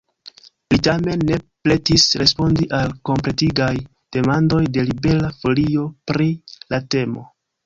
Li tamen ne pretis respondi al kompletigaj demandoj de Libera Folio pri la temo.